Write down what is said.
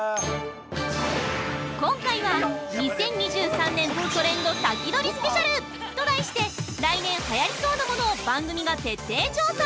今回は、２０２３年トレンド先取りスペシャルと題して来年はやりそうなものを番組が徹底調査！